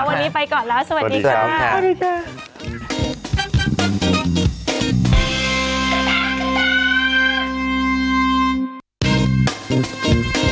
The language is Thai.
วันนี้ไปก่อนแล้วสวัสดีค่ะ